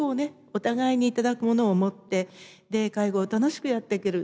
お互いに頂くものを持って介護を楽しくやっていける。